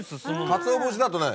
かつお節だとね